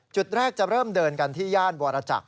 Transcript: จุดแรกจะเริ่มเดินกันที่ย่านวรจักร